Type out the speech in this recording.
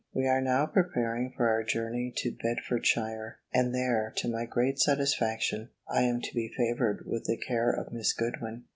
We are now preparing for our journey to Bedfordshire; and there, to my great satisfaction, I am to be favoured with the care of Miss Goodwin.